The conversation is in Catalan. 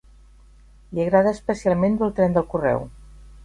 Li agrada especialment dur el tren del correu.